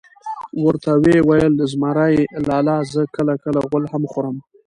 ورته وئې ویل: زمرى لالا زه کله کله غول هم خورم .